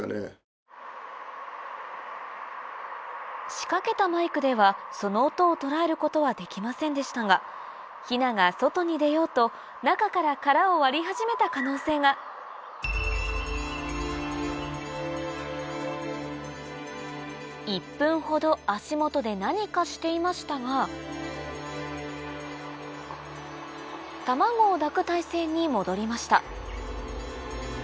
仕掛けたマイクではその音を捉えることはできませんでしたがヒナが外に出ようと中から殻を割り始めた可能性が１分ほど足元で何かしていましたが卵を抱く体勢に戻りました